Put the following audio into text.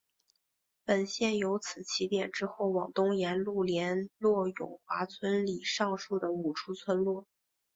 本线由此起点之后往东沿路连络永华村里上述的五处村落。